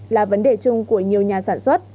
là vấn đề chung của nhiều nhà sản xuất